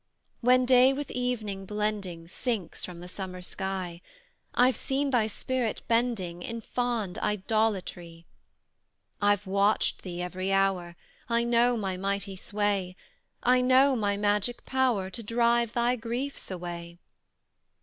When day with evening blending, Sinks from the summer sky, I've seen thy spirit bending In fond idolatry. I've watched thee every hour; I know my mighty sway: I know my magic power To drive thy griefs away.